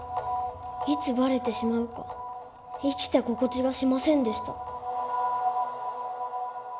いつばれてしまうか生きた心地がしませんでした。